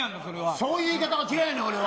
そういう言い方嫌いやねん、俺は。